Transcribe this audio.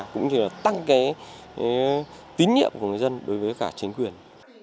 cũng như là tăng cái tín nhiệm của người dân đối với cả chính quyền